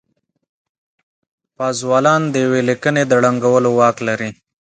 پازوالان د يوې ليکنې د ړنګولو واک لري.